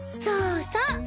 そうそう！